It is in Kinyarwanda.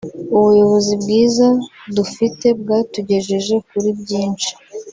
Ubuyobozi bwiza dufite bwatugejeje kuri byinshi